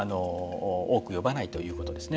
多く呼ばないということですね。